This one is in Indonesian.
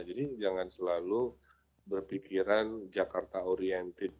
jadi jangan selalu berpikiran jakarta orientin